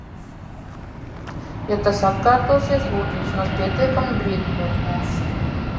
Ja tas atkārtosies, lūdzu, vismaz pietiekami brīdiniet mūs.